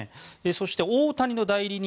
そして大谷の代理人